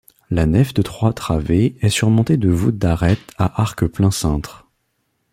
La nef de trois travées est surmontée de voûtes d’arête à arcs plein cintre.